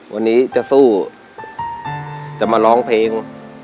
วันนี้จะสู้จะมาร้องเพลง